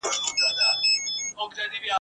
دغه توري سپيني ږيري !.